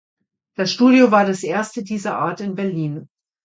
Das Studio war das erste dieser Art in Berlin.